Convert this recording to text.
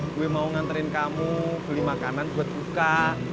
gue mau nganterin kamu beli makanan buat buka